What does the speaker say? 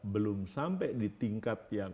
belum sampai di tingkat yang